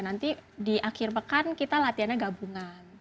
nanti di akhir pekan kita latihannya gabungan